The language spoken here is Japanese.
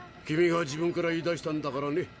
君が自分から言いだしたんだからね。